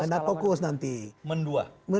jangan fokus nanti mendua